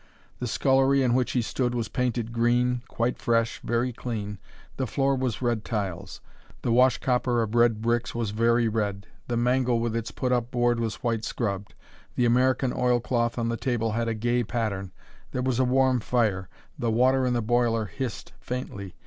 The scullery in which he stood was painted green, quite fresh, very clean, the floor was red tiles. The wash copper of red bricks was very red, the mangle with its put up board was white scrubbed, the American oil cloth on the table had a gay pattern, there was a warm fire, the water in the boiler hissed faintly.